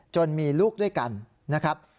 จนมีลูกด้วยกันนะครับ